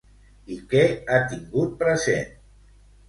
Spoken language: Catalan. I què ha tingut present?